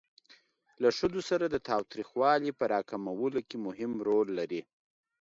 له ښځو سره د تاوتریخوالي په را کمولو کې مهم رول لري.